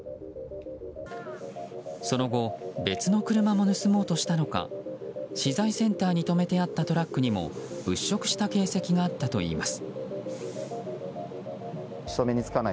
その後別の車も盗もうとしたのか資材センターに止めてあったトラックにも物色した形跡があったといいます。